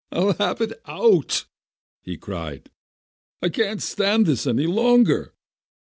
"I'll have it out!" he cried. "I can't stand this any longer!"